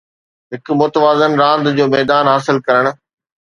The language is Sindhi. هڪ متوازن راند جو ميدان حاصل ڪرڻ